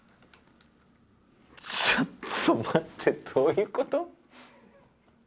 ちょっと待ってどういうこと？